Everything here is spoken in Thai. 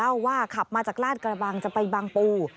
เล่าว่าขับมาจากราชกระบางจะไปบางปู่